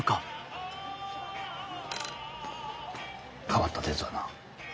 変わったデートだな。